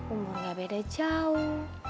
umur nggak beda jauh